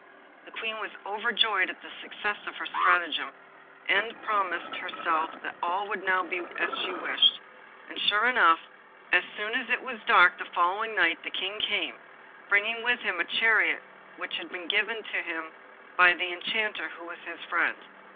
The Queen was overjoyed at the success of her stratagem, end promised herself that all would now be as she wished; and sure enough, as soon as it was dark the following night the King came, bringing with him a chariot which had been given him by an Enchanter who was his friend.